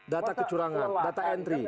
data kecurangan data entry